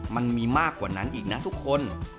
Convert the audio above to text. มันมีมากกว่านั้นอีกนะทุกคน